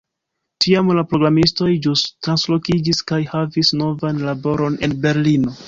Tiam la programistoj ĵus translokiĝis kaj havis novan laboron en Berlino.